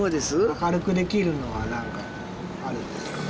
明るくできるのはなんかあるんですか？